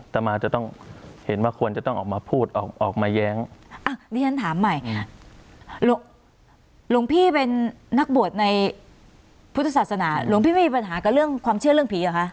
ต่อมาจะต้องเห็นว่าควรจะต้องออกมาพูดออกมาแย้งอ่ะนี่ฉันถามใหม่หลวงพี่เป็นนักบวชในพุทธศาสนาหลวงพี่ไม่มีปัญหากับเรื่องความเชื่อเรื่องผีเหรอคะ